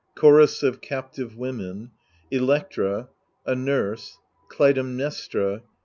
Chorus of Captive Women. Electra. A Nurse. Clytemnestra.